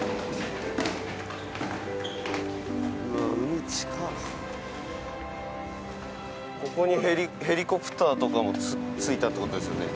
二階堂：ここにヘリコプターとかも着いたって事ですよね？